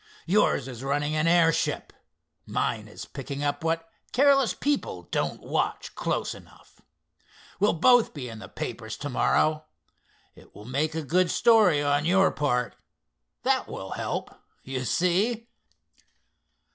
"Yours is running an airship. Mine is picking up what careless people don't watch close enough. We'll both be in the papers to morrow. It will make a good story, on your part. That will help, you see?"